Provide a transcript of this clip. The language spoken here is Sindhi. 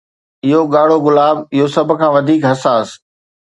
اهو ڳاڙهو گلاب، اهو سڀ کان وڌيڪ حساس